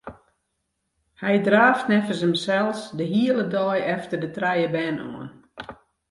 Hy draaft neffens himsels de hiele dei efter de trije bern oan.